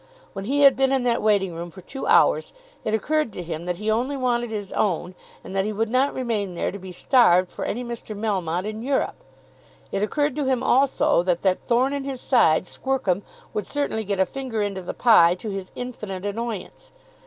When he had been in that waiting room for two hours, it occurred to him that he only wanted his own, and that he would not remain there to be starved for any Mr. Melmotte in Europe. It occurred to him also that that thorn in his side, Squercum, would certainly get a finger into the pie to his infinite annoyance.